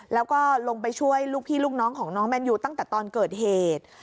แล้วก็ลงไปช่วยลูกพี่ลูกน้องของน้องแมนยูตั้งแต่ตอนเกิดเหตุ